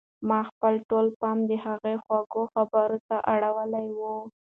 ما خپل ټول پام د هغې خوږو خبرو ته اړولی و.